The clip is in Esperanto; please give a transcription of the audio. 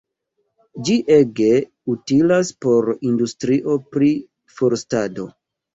Ĝi ege utilas por industrio pri forstado.